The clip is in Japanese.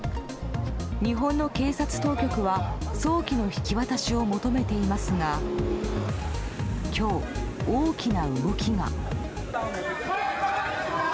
日本の警察当局は早期の引き渡しを求めていますが今日、大きな動きが。